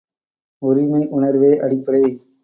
உரிமை உணர்வே அடிப்படை.